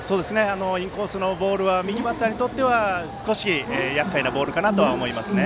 インコースのボールは右バッターにとっては少しやっかいなボールかなとは思いますね。